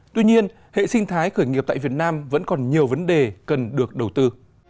tuy nhiên hệ sinh thái khởi nghiệp tại việt nam vẫn còn nhiều vấn đề cần được đầu tư